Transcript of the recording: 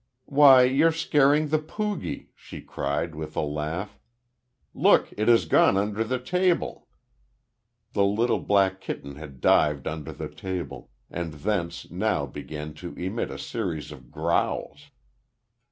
"Why, you're scaring the poogie," she cried, with a laugh. "Look. It has gone under the table." The little black kitten had dived under the table, and thence now began to emit a series of growls.